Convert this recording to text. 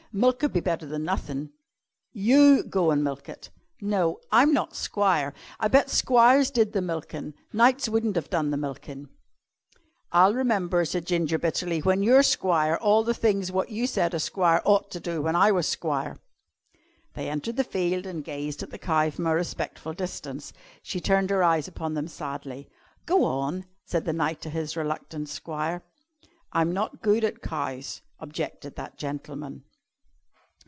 "Milk 'ud be better'n nothing." "You go 'an milk it." "No, I'm not squire. I bet squires did the milkin'. Knights wu'n't of done the milkin'." "I'll remember," said Ginger bitterly, "when you're squire, all the things wot you said a squire ought to do when I was squire." They entered the field and gazed at the cow from a respectful distance. She turned her eyes upon them sadly. "Go on!" said the knight to his reluctant squire. "I'm not good at cows," objected that gentleman.